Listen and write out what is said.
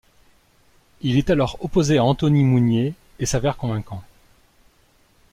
Il est alors opposé à Anthony Mounier et s'avère convaincant.